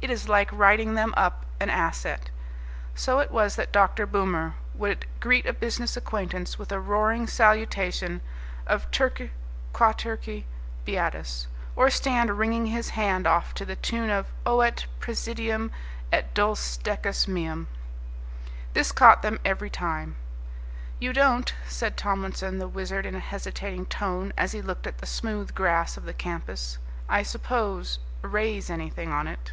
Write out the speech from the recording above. It is like writing them up an asset. So it was that Dr. Boomer would greet a business acquaintance with a roaring salutation of, "Terque quaterque beatus," or stand wringing his hand off to the tune of "Oh et presidium et dulce decus meum." This caught them every time. "You don't," said Tomlinson the Wizard in a hesitating tone as he looked at the smooth grass of the campus, "I suppose, raise anything on it?"